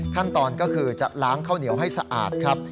ขั้นตอนก็คือจะล้างข้าวเหนียวให้สะอาดครับ